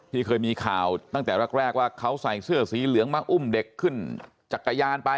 ที่เคยมีข่าวตั้งแต่แรกว่าเขาใส่เสื้อสีเหลืองมาอุ้มเด็กขึ้นจักรยานไป